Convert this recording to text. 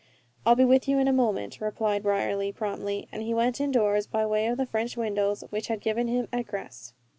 "I'll be with you in a moment," replied Brierly, promptly, and he went indoors by way of the French windows which had given him egress.